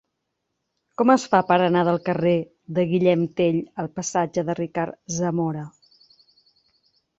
Com es fa per anar del carrer de Guillem Tell al passatge de Ricard Zamora?